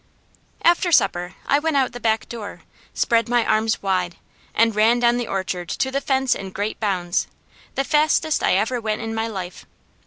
After supper I went out the back door, spread my arms wide, and ran down the orchard to the fence in great bounds, the fastest I ever went in my life.